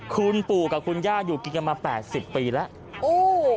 คุณปู่กับคุณย่าอยู่กินกันมา๘๐ปีแล้ว